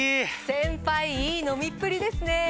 先輩いい飲みっぷりですね。